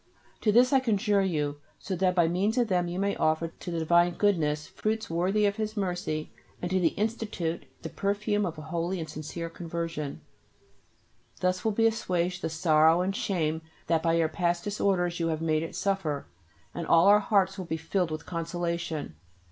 To this I conjure you so that by means of them you may offer to the divine Goodness fruits worthy of His mercy and to the Institute the perfume of a holy and sincere conversion. Thus will be assuaged the sorrow and shame that by your past disorders you have made it suffer, and all our hearts will be filled with consolation.